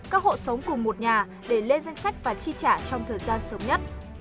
các hộ sống cùng một nhà để lên danh sách và chi trả trong thời gian sớm nhất